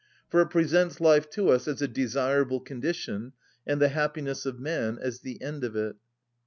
For it presents life to us as a desirable condition, and the happiness of man as the end of it.